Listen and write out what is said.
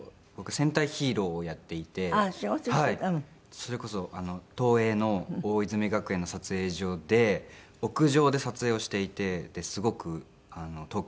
それこそ東映の大泉学園の撮影所で屋上で撮影をしていてすごく東京も揺れたじゃないですか。